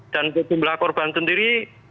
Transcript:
dan jumlah korban sendiri